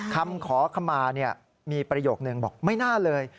คำขอขมามีประโยคนึงบอกไม่น่าเลย